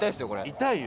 痛いよ。